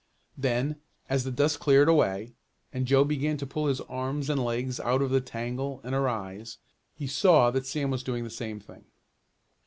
Then, as the dust cleared away, and Joe began to pull his arms and legs out of the tangle, and arise, he saw that Sam was doing the same thing.